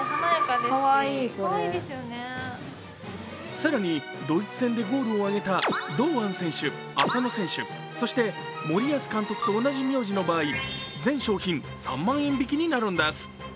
更にドイツ戦でゴールをあげた堂安選手、浅野選手、そして森保監督と同じ名字の場合、全商品３万円引きになるんです。